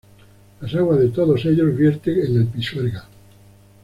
Las aguas de todos ellos vierten en el Pisuerga.